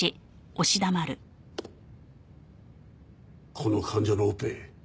この患者のオペ